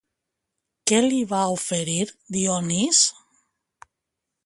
Què li va oferir Dionís?